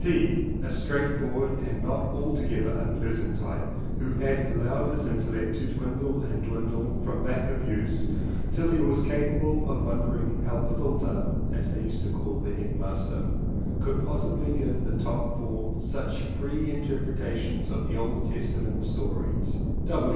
T., a straight forward and not altogether unpleasant type who had allowed his intellect to dwindle and dwindle from lack of use till he was capable of wondering how the "Futler," as they used to call the headmaster, could possibly give to the top form such free interpretations of the Old Testament stories.